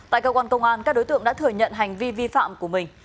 tại cơ quan công an các đối tượng đã thừa nhận hành vi vi phạm của mình